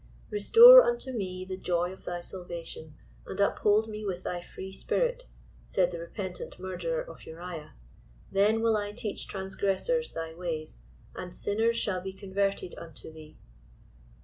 «* Restore unto me the joy of thy salvation, and uphold me with thy free spirit," said the re pentant murderer of Uriah, then will I teach transgressors thy ways, and sinners shall be converted unto thee."